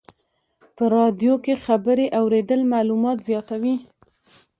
په رادیو کې خبرې اورېدل معلومات زیاتوي.